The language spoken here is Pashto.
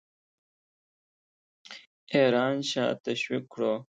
ایران شاه تشویق کړو.